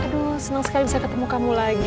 aduh senang sekali bisa ketemu kamu lagi